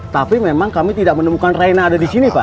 tapi memang kami tidak menemukan renang ada disini pak